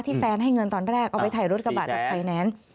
แฟนให้เงินตอนแรกเอาไปถ่ายรถกระบะจากไฟแนนซ์